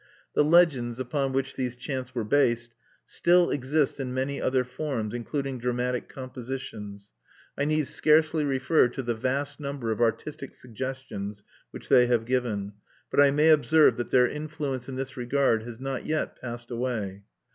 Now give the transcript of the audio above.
The legends upon which these chants were based still exist in many other forms, including dramatic compositions. I need scarcely refer to the vast number of artistic suggestions which they have given, but I may observe that their influence in this regard has not yet passed away.